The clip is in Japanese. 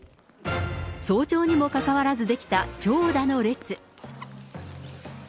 早朝にもかかわらず出来た長蛇の列。